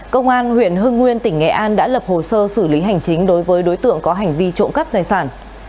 công an huyện hưng nguyên tỉnh nghệ an đã lập hồ sơ xử lý hành chính đối với đối tượng có hành vi trộm cắp tài sản